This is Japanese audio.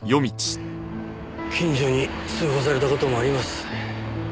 近所に通報された事もあります。